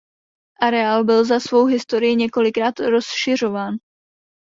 Areál byl za svou historii několikrát rozšiřován.